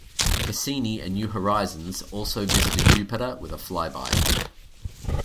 Cassini and New Horizons also visited Jupiter with a flyby.